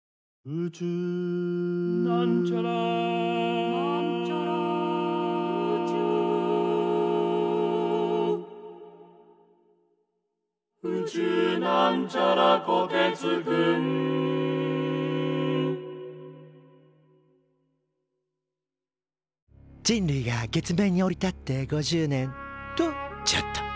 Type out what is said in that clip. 「宇宙」人類が月面に降り立って５０年。とちょっと。